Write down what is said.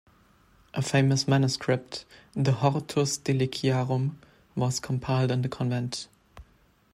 A famous manuscript, the "Hortus Deliciarum", was compiled in the convent.